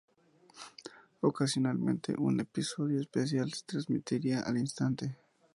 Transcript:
Ocasionalmente, un episodio 'especial' se transmitiría al instante.